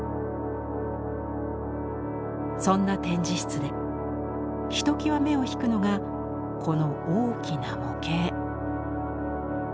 そんな展示室でひときわ目を引くのがこの大きな模型。